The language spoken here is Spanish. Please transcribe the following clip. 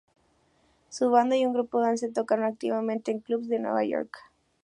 Su banda y un grupo dance tocaron activamente en clubes de Nueva York.